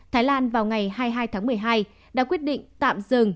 thái lan vào ngày hai mươi hai tháng một mươi hai đã quyết định tạm dừng